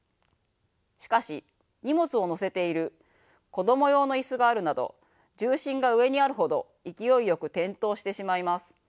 しかし荷物を載せている子供用の椅子があるなど重心が上にあるほど勢いよく転倒してしまいます。